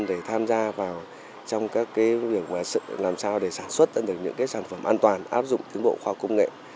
để tham gia vào trong các việc làm sao để sản xuất ra được những sản phẩm an toàn áp dụng tiến bộ khoa công nghệ